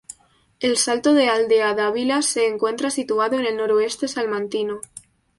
El Salto de Aldeadávila se encuentra situado en el noroeste salmantino.